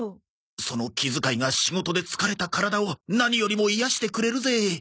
その気遣いが仕事で疲れた体を何よりも癒やしてくれるぜ。